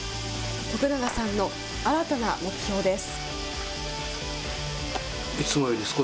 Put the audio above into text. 徳永さんの新たな目標です。